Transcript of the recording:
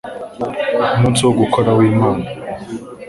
umunsi wo guhora kw imana